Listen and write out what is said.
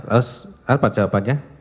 lalu apa jawabannya